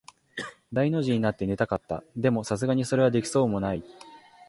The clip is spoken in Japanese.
大の字になって寝たかった。でも、流石にそれはできそうもない。